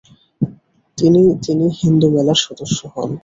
তিনি তিনি হিন্দু মেলার সদস্য হন।